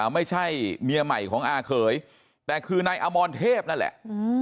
ไม่ใช่เมียใหม่ของอาเขยแต่คือนายอมรเทพนั่นแหละ